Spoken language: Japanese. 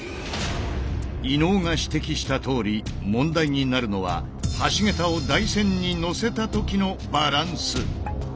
伊野尾が指摘したとおり問題になるのは橋桁を台船にのせた時のバランス。